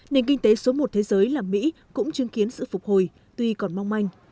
nền kinh tế số một thế giới là mỹ cũng chứng kiến sự phục hồi tuy còn mong manh